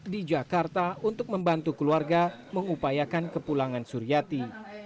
di jakarta untuk membantu keluarga mengupayakan kepulangan suriati